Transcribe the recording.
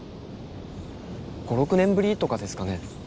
５６年ぶりとかですかね。